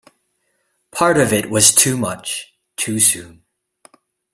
Part of it was too much, too soon.